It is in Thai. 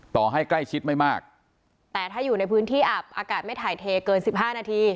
ต่อให้ใกล้ชิดไม่มากแต่ถ้าอยู่ในพื้นที่อับอากาศไม่ถ่ายเทเกินสิบห้านาที